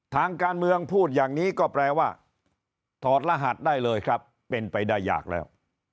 ทางการเมืองพูดอย่างนี้ก็แปลว่าถอดรหัสได้เลยครับเป็นไปได้ยากแล้ว